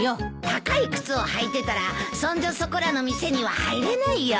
高い靴を履いてたらそんじょそこらの店には入れないよ。